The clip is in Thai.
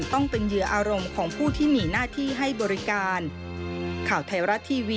ต้องเป็นเหยื่ออารมณ์ของผู้ที่มีหน้าที่ให้บริการ